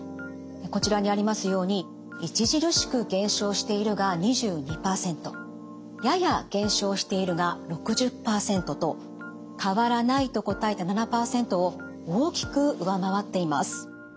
こちらにありますように「著しく減少している」が２２％「やや減少している」が６０％と「変わらない」と答えた７％を大きく上回っています。